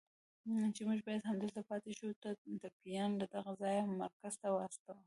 چې موږ باید همدلته پاتې شو، ته ټپيان له دغه ځایه مرکز ته ورسوه.